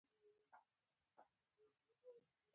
دوی به تر هغه وخته پورې کنفرانسونه جوړوي.